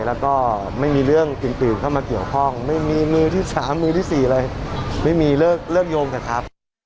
แล้วก็ไม่มีเรื่องอื่นเข้ามาเกี่ยวข้องไม่มีมือที่๓มือที่๔เลยไม่มีเลิกโยมเถอะครับ